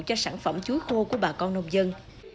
cho sản phẩm chuối khô của bà con nông dân